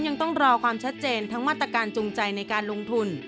ยังต้องรอความชัดเจนทั้งมาตรการจูงใจในการลงทุน